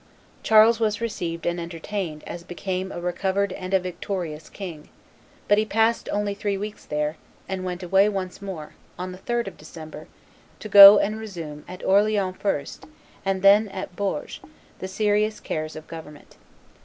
Charles was received and entertained as became a recovered and a victorious king; but he passed only three weeks there, and went away once more, on the 3d of December, to go and resume at Orleans first, and then at Bourges, the serious cares of government.